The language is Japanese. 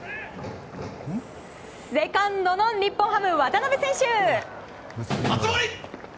セカンドの日本ハム、渡邉選手。